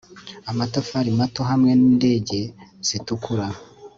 amatafari mato hamwe nindege zitukura